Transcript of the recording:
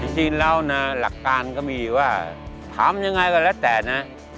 จริงแล้วนะหลักการก็มีว่าถามยังไงก็แล้วแต่นะ